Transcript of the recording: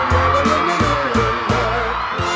ทรมานแสนฮะ